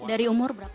dari umur berapa